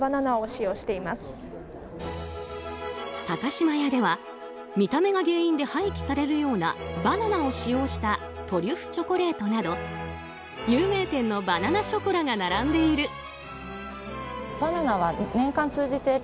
高島屋では見た目が原因で廃棄されるようなバナナを使用したトリュフチョコレートなど有名店のバナナショコラが並んでいる。